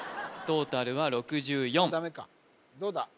トータルは６４ダメかどうだ？